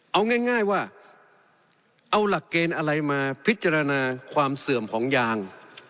เอาง่ายว่าเอาหลักเกณฑ์อะไรมาพิจารณาความเสื่อมของยาง